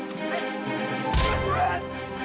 gak usah pake uang